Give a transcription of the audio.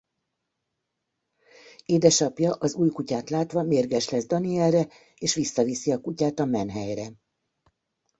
Édesapja az új kutyát látva mérges lesz Danielre és visszaviszi a kutyát a menhelyre.